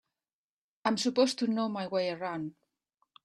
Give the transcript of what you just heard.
I'm supposed to know my way around.